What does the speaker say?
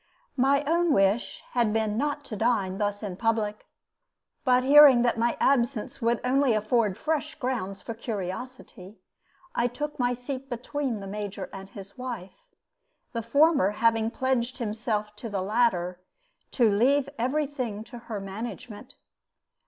My own wish had been not to dine thus in public; but hearing that my absence would only afford fresh grounds for curiosity, I took my seat between the Major and his wife, the former having pledged himself to the latter to leave every thing to her management.